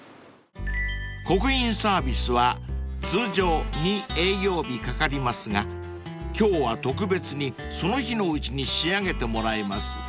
［刻印サービスは通常２営業日かかりますが今日は特別にその日のうちに仕上げてもらいます］